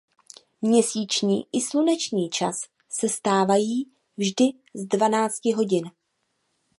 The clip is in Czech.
Měsíční i sluneční čas sestávají vždy z dvanácti hodin.